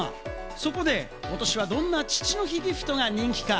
そこで今年はどんな父の日ギフトが人気か？